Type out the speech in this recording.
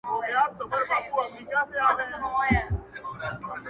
o د بل پر کور سل مېلمانه څه دي٫